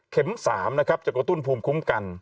๓นะครับจะกระตุ้นภูมิคุ้มกัน